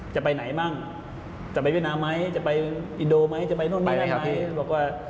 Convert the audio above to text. จะไปไหนบ้างจะไปเวียดนามั้ยจะไปอินโดมั้ยจะไปโน่นนี้นั่นมั้ย